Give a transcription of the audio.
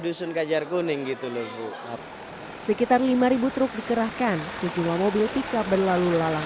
dusun kajar kuning gitu loh sekitar lima ribu truk dikerahkan sejumlah mobil pickup berlalu lalang